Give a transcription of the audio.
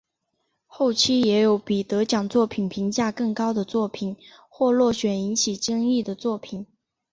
后期也有比得奖作品评价更高的作品或落选引起争议的作品。